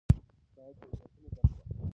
باید له عبرتونو درس واخلو.